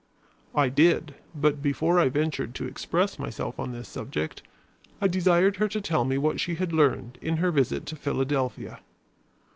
I did; but, before I ventured to express myself on this subject, I desired her to tell me what she had learned in her visit to Philadelphia.